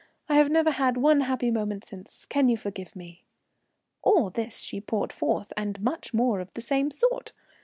I have never had one happy moment since. Can you forgive me?' "All this she poured forth, and much more of the same sort.